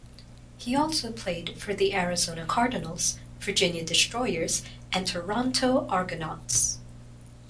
He also played for the Arizona Cardinals, Virginia Destroyers and Toronto Argonauts.